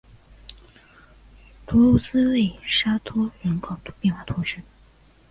图卢兹勒沙托人口变化图示